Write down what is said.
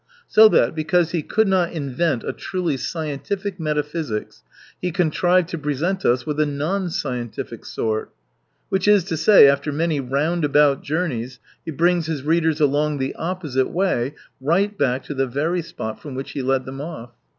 So that, because he could not invent a truly scientific metaphysics, he contrived to present us with a non scientific sort. Which is to say, after many round about journeys he brings his readers along the opposite way right back to the very spot from which he led them off.